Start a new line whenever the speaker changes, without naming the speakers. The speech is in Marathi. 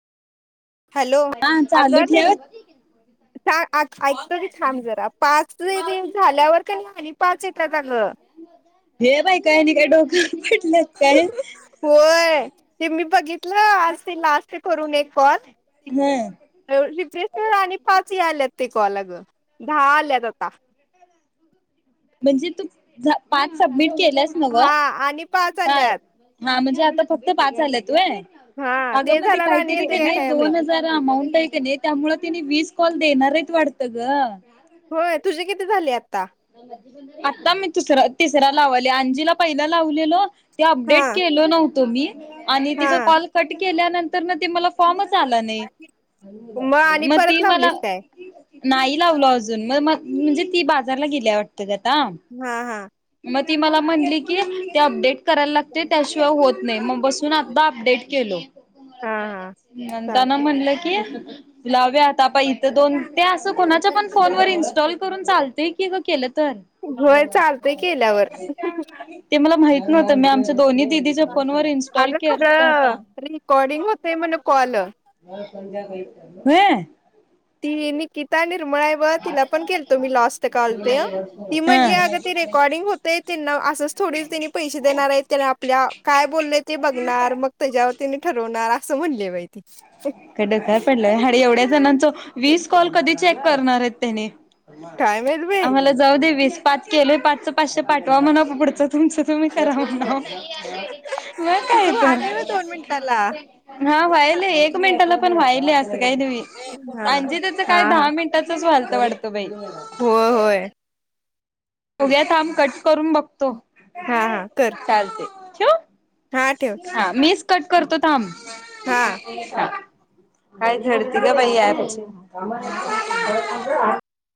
हॅलो
हा
अग
चालू
ते
ठेव
ऐकतो की थांब जरा पाच झाल्यावर का नाही पाच येतात अ गं
हे बाई काय नी काय डोक
होय ते मी बघितलं आज ते लास्ट करून एक कॉल
हा
शेश्वर राणी फार ती आल्यात ते कॉल अग दहा आल्यात आता
म्हणजे तू झा पाच सबमिट के दिल्यास नव्ह
हा आणि पाच
हा
आल्यात
हा म्हण आता फक्त पाच झालाय व्हय
हा
अग
ते
म
झाल्यावर आणि
काहीतरी
येते
का
काय
नाही
काय माहित
दोन हजार अमाऊंट आहे का नाही त्यामुळेनी वीस कॉल देणारेत वाढतं ग
होय तुझे कि ते झाले आता
आता मी तुस तिसरा लावाले आंजीला पहिला लावलेलो. ते
हा
अपडेट केल नव्हतो मी आणि तिचा
हा
कॉल कट केल्यानंतर ते मला फॉर्म
मग आणि
म
परत
म
लावलीस काय
नाही लावल अजुन म्हणजे ती बा घरला गेल्याय वाटत गत ना
हा हा
म ती मला म्हणली की त्या अपडेट कराय लाग त्याशिवाय होत नाही मग बसून आता अपडेट केल
हा हा
म्हनतना
चालते
म्हंटले की, लाव्यात थांबा इथं दोन ते असं कोणाच्या पण फोन वर इन्स्टॉल करून चालतय. अस केल तर
होय चालतय केल्यावर
ते मला माहित नव्हत मी आमच्या दोन् च्या फोन वर इन्स्टॉल
अगं
करत
खरं
आता
रेकॉर्डिंग होतय म्हण कॉल ती नीकितान सुमा हाय बघ तीला पण मी केलतो लास्ट कॉल त्यो ती म्हनली
हा
अग ते रेकॉर्डिंग होतय तेना असच थोडीच पैसे देणार हाईत तेला आपल्या काय बोललय ते बघणार मग त्याच्यावर तेनि ठरवणार. अस म्हटले बाई ते
का डकार पडलय आणि एवढ्याच घनांच वीस कॉल कधी चेक करणार आहेत त्याने
काय माहित बाई
आम्हाला जाऊ दे वीस पाच केलोय पाच पाचशे पाठवा म्हणा पुढचं तुमच तुम्ही कराव ना मग
तुझं
काय तर
व्हालंय व्हय दोन मिनिटाला
हा बायले एक टेन्शन न पण व्हायली असेल..
हा
का आणजी त्याच काय दहा मिनिटाच वलत तवडतो बाई
हो व्हय
बघुया थांब कट करून बघतो.
हा हा कर
चालती ठेऊ?
हा ठेव
हा मी कट करतो थांब
हा
उद्या येत नाहीसा. काय झडती का बाई या ह